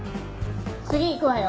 次行くわよ！